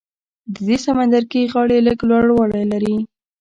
د دې سمندرګي غاړې لږ لوړوالی لري.